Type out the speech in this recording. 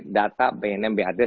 data bnm bhd